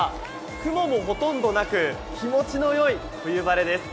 雲もほとんどなく、気持ちのよい冬晴れです。